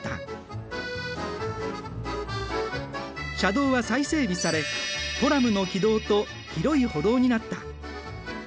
車道は再整備されトラムの軌道と広い歩道になった。